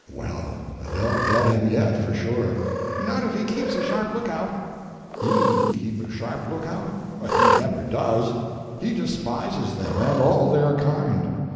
"Well, they'll get him yet, for sure." "Not if he keeps a sharp look out." "He keep a sharp lookout! He never does; he despises them, and all their kind.